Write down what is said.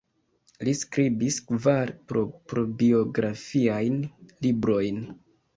Li skribis kvar proprbiografiajn librojn.